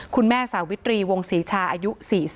สาวิตรีวงศรีชาอายุ๔๐